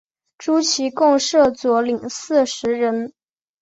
诸旗共设佐领四十人。